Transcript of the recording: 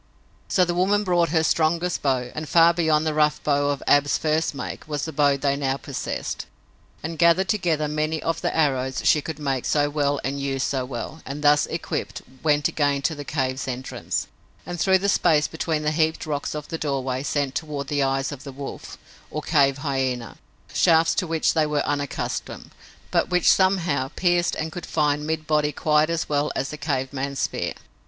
So the woman brought her strongest bow and far beyond the rough bow of Ab's first make was the bow they now possessed and gathered together many of the arrows she could make so well and use so well, and, thus equipped, went again to the cave's entrance, and through the space between the heaped rocks of the doorway sent toward the eyes of wolf, or cave hyena, shafts to which they were unaccustomed, but which, somehow, pierced and could find mid body quite as well as the cave man's spear.